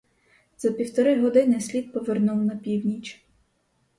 За півтори години слід повернув на північ.